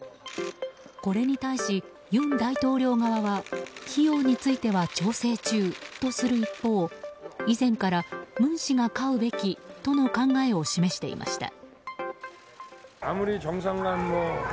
これに対し尹大統領側は費用については調整中とする一方以前から、文氏が飼うべきとの考えを示していました。